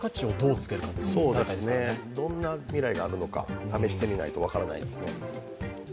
どんな未来があるのか試してみないと分からないですね。